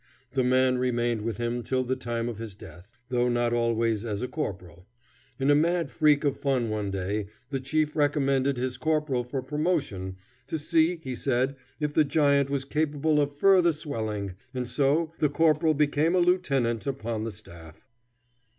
The man remained with him till the time of his death, though not always as a corporal. In a mad freak of fun one day, the chief recommended his corporal for promotion, to see, he said, if the giant was capable of further swelling, and so the corporal became a lieutenant upon the staff.